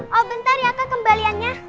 bentar ya kak kembaliannya